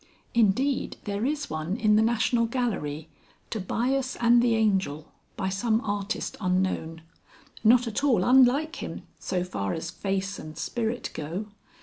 (Indeed, there is one in the National Gallery [Tobias and the Angel, by some artist unknown] not at all unlike him so far as face and spirit go.)